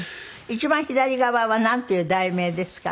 一番左側はなんていう題名ですか？